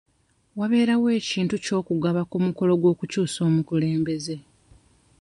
Waberawo ekintu eky'okugaba ku mukulo gw'okukyusa obukulembeze.